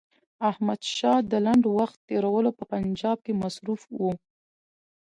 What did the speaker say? احمدشاه د لنډ وخت تېرولو په پنجاب کې مصروف وو.